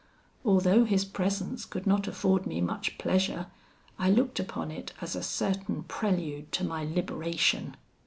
Although his presence could not afford me much pleasure, I looked upon it as a certain prelude to my liberation.